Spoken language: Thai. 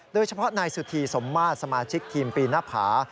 โดยเฉพาะนายสุธีสมมาตรสมาชิกทีมปีหน้าผา